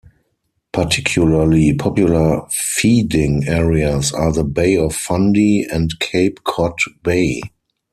Particularly popular feeding areas are the Bay of Fundy and Cape Cod Bay.